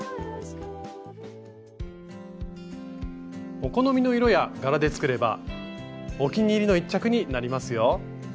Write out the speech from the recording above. お好みの色や柄で作ればお気に入りの１着になりますよ。